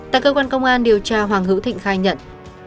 tại cơ quan công an điều tra hoàng hữu thịnh khai nhận